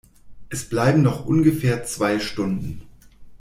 Es bleiben noch ungefähr zwei Stunden.